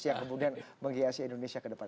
yang kemudian menghiasi indonesia